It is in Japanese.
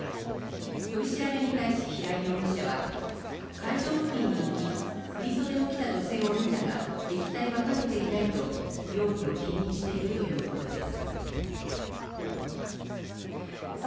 取り調べに対し平井容疑者は会場付近に行き振り袖を着た女性を見たが液体はかけていないと容疑を否認しているということです